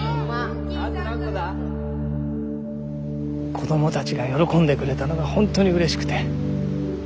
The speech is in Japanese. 子どもたちが喜んでくれたのがホントにうれしくて。